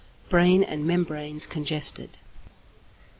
Brain and membranes congested.